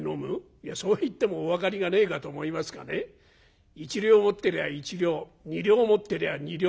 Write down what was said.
「いやそう言ってもお分かりがねえかと思いますがね一両持ってりゃ一両二両持ってりゃ二両。